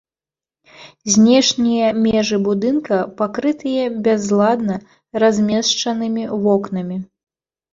Знешнія межы будынка пакрытыя бязладна размешчанымі вокнамі.